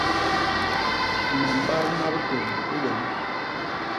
Me mbadna bitôñ i wom.